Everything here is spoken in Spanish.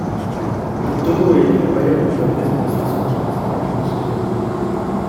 De todo ello hay abundantes muestras en los principales museos del mundo.